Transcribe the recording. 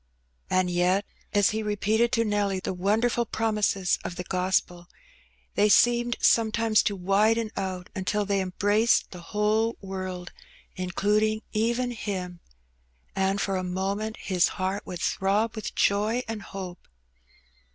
80 . Hee Benny. And yet, a9 he repeated to Nelly the wonderful promise of the Gospel, they seemed sometimes to widen out, untiT they embraced the whole world, including even him, ancl' for a moment his heart would throb with joy and hope.